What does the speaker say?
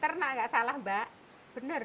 terus makan sapinya sendiri